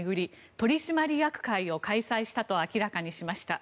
取締役会を開催したと明らかにしました。